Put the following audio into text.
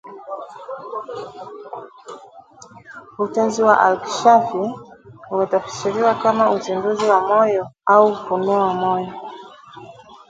Utenzi wa Al-Inkishafi umetafsiriwa kama ‘’uzinduzi wa moyo’’ au ‘’ufunuo wa moyo’’